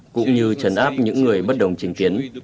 cũng như trấn áp những người bất đồng chính kiến